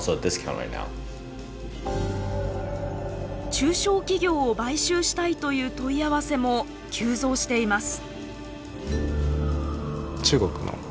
中小企業を買収したいという問い合わせも急増しています。